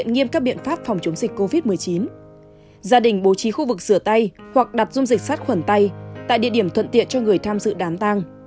gia đình bố trí khu vực sửa tay hoặc đặt dung dịch sát khuẩn tay tại địa điểm thuận tiện cho người tham dự đám tăng